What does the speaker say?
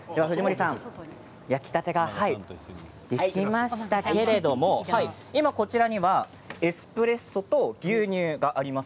焼きたてができましたけれども今、こちらにはエスプレッソと牛乳があります。